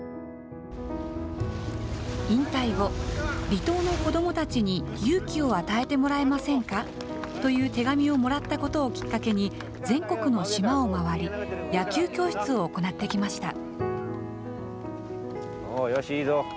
引退後、離島の子どもたちに勇気を与えてもらえませんかという手紙をもらったことをきっかけに、全国の島を回り、野球教室を行ってきましよし、いいぞ。